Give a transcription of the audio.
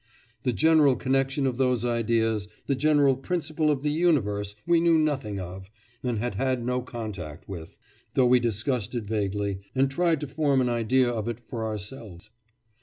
The general connection of those ideas, the general principle of the universe we knew nothing of, and had had no contact with, though we discussed it vaguely, and tried to form an idea of it for ourselves.